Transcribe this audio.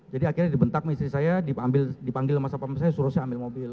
jadi akhirnya dibentak istri saya dipanggil sama sama saya suruh saya ambil mobil